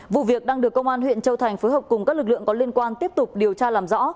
vụ việc đang được công an huyện châu thành phối hợp cùng các lực lượng có liên quan tiếp tục điều tra làm rõ